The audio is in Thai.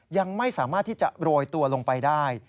ยังไม่สามารถที่จะโรยตัวลงไปได้